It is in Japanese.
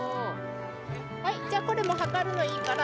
はいじゃあこれもう量るのはいいから。